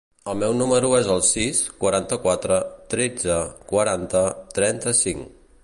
El meu número es el sis, quaranta-quatre, tretze, quaranta, trenta-cinc.